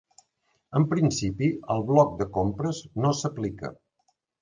En principi, el bloc de compres no s'aplica.